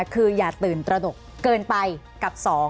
คืออย่าตื่นตระหนกเกินไปกับ๒